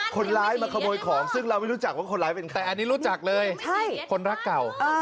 คนร้ายมาขโมยของซึ่งเราไม่รู้จักว่าคนร้ายเป็นใครอันนี้รู้จักเลยคนรักเก่า